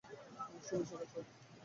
শুভ সকাল, স্যার।